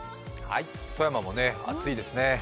富山も暑いですね。